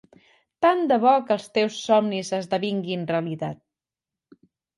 Tant de bo que els teus somnis esdevinguin realitat!